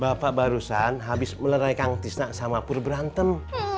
bapak barusan habis meleraikan tisna sama pur branteng